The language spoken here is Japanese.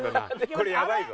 これやばいぞ。